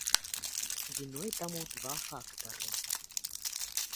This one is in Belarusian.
Віной таму два фактары.